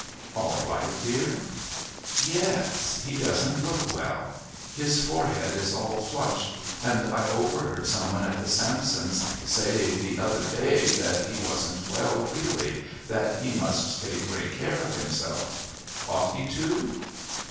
"All right, dear?" "Yes. He doesn't look well. His forehead is all flushed, and I overheard some one at the Sampsons' say the other day that he wasn't well really, that he must take great care of himself. Ought he to?"